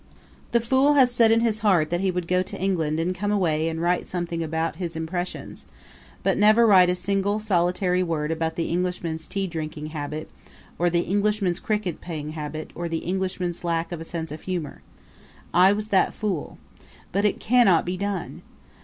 The fool hath said in his heart that he would go to England and come away and write something about his impressions, but never write a single, solitary word about the Englishman's tea drinking habit, or the Englishman's cricket playing habit, or the Englishman's lack of a sense of humor. I was that fool. But it cannot be done.